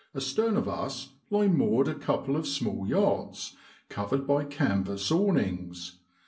Astern of us lie moored a couple of small yachts, covered by canvas awnings.